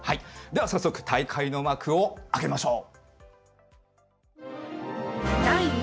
では早速大会の幕を開けましょう。